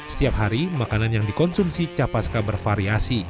setiap hari makanan yang dikonsumsi capaska bervariasi